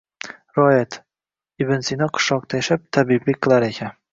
Rivoyat: Ibn Sino qishloqda yashab, tabiblik qilar ekan